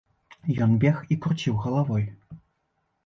Ён бег і круціў галавой.